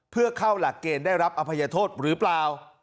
เพื่อเข้าหลักเกณฑ์ได้รับอภัยโทษหรือเปล่า